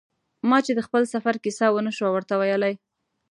ما چې د خپل سفر کیسه و نه شو ورته ویلای.